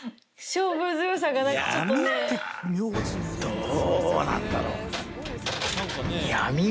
どうなんだろう。